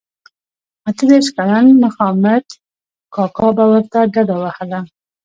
اته دیرش کلن مخامد کاکا به ورته ډډه وهله.